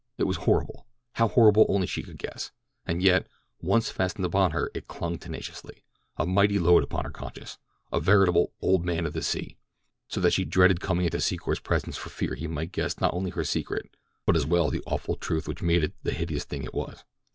It was horrible. How horrible only she could guess; and yet, once fastened upon her, it clung tenaciously, a mighty load upon her conscience—a veritable Old Man of the Sea—so that she dreaded coming into Secor's presence for fear he might guess not only her secret, but as well the awful truth which made it the hideous thing it was.